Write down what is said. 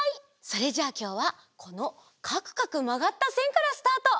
それじゃあきょうはこのかくかくまがったせんからスタート！